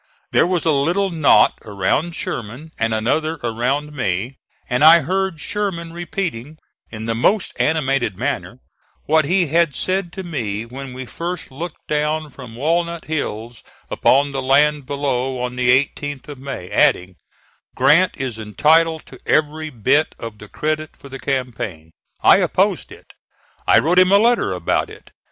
There was a little knot around Sherman and another around me, and I heard Sherman repeating, in the most animated manner, what he had said to me when we first looked down from Walnut Hills upon the land below on the 18th of May, adding: "Grant is entitled to every bit of the credit for the campaign; I opposed it. I wrote him a letter about it."